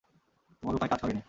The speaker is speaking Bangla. তোমার উপায় কাজ করেনি!